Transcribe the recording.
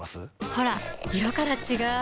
ほら色から違う！